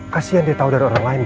kasian dia tau dari orang lain dia